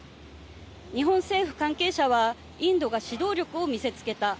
日本政府関係者はインドが指導力を見せつけた。